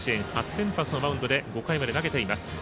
先発のマウンドで５回まで投げています。